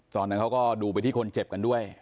ตอนนั้นเขาก็ดูไปที่คนเจ็บกันด้วย